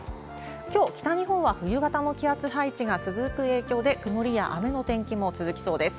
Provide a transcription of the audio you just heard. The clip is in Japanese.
きょう、北日本は冬型の気圧配置が続く影響で、曇りや雨の天気も続きそうです。